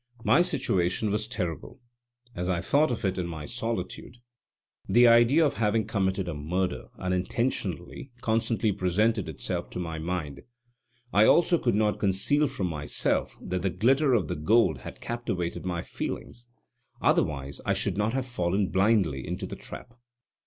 My situation was terrible, as I thought of it in my solitude. The idea of having committed a murder, unintentionally, constantly presented itself to my mind. I also could not conceal from myself that the glitter of the gold had captivated my feelings, otherwise I should not have fallen blindly into the trap.